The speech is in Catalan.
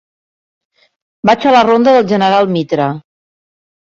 Vaig a la ronda del General Mitre.